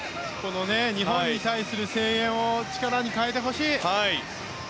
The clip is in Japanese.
日本に対する声援を力に変えてほしい！